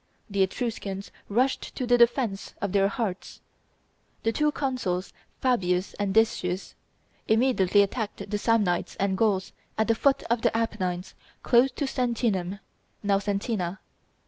The Etruscans rushed to the defence of their hearths. The two consuls, Fabius and Decius, immediately attacked the Samnites and Gauls at the foot of the Apennines, close to Sentinum (now Sentina).